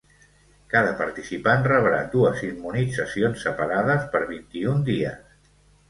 Cada participant rebrà dues immunitzacions separades per vint-i-un dies.